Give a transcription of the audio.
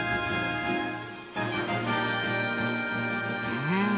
うん！